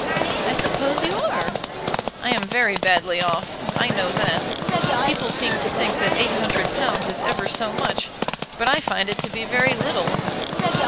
"I suppose you are." "I am very badly off, I know that. People seem to think that £800 is ever so much, but I find it to be very little."